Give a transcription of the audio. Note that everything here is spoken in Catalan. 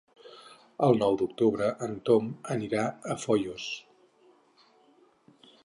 El nou d'octubre en Tom anirà a Foios.